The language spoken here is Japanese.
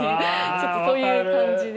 ちょっとそういう感じで。